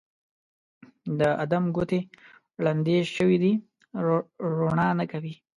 د ادم ګوتې ړندې شوي دي روڼا نه کوي